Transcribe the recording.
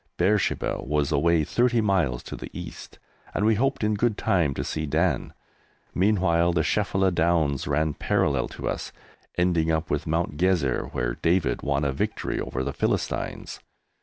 Beersheba was away thirty miles to the east, and we hoped in good time to see Dan; meanwhile the Shephelah downs ran parallel to us, ending up with Mount Gezer where David won a victory over the Philistines.